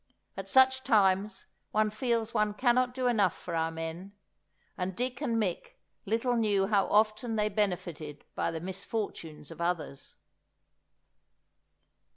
At such times one feels one cannot do enough for our men; and Dick and Mick little knew how often they benefited by the misfortunes of others.